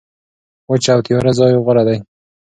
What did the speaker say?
وچه او تیاره ځای غوره دی.